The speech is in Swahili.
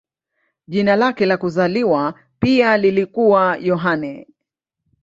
Jina lake la kuzaliwa pia lilikuwa Yohane.